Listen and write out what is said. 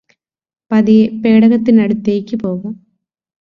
പതിയെ പേടകത്തിനടുത്തേയ്ക് പോകാം